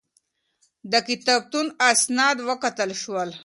د کتابتون اسناد وکتل شول.